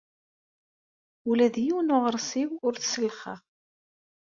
Ula d yiwen n uɣersiw ur t-sellxeɣ.